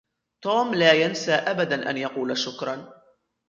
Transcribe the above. توم لا ينسى أبدا أن يقول شكرا.